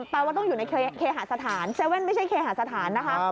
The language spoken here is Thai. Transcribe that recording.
แปลว่าต้องอยู่ในเคหาสถาน๗๑๑ไม่ใช่เคหาสถานนะคะ